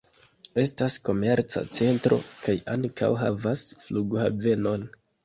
Estas komerca centro kaj ankaŭ havas flughavenon.